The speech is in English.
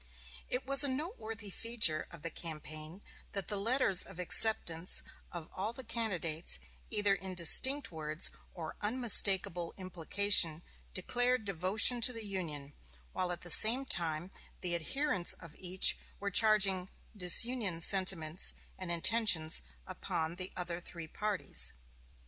It was a noteworthy feature of the campaign that the letters of acceptance of all the candidates, either in distinct words or unmistakable implication, declared devotion to the Union, while at the same time the adherents of each were charging disunion sentiments and intentions upon the other three parties.